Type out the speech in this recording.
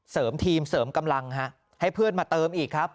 เสริมทีมเสริมกำลังให้เพื่อนมาเติมอีกครับ